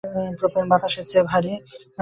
Propane বাতাসের চেয়ে ভারী।